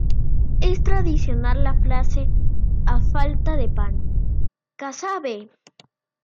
Es tradicional la frase "¡A falta de pan, casabe!".